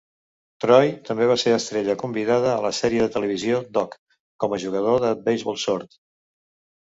Troy també va ser estrella convidada a la sèrie de televisió "Doc" com a jugador de beisbol sord.